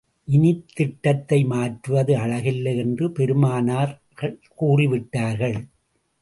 இனித் திட்டத்தை மாற்றுவது அழகல்ல என்று பெருமானார் கூறிவிட்டார்கள்.